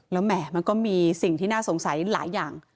แล้วแหมมันก็มีสิ่งที่น่าสงสัยหลายอย่าง